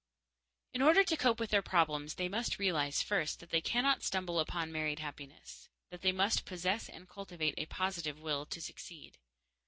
In order to cope with their problems they must realize, first, that they cannot stumble upon married happiness; that they must possess and cultivate a positive will to succeed.